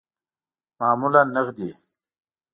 معمولاً نغدی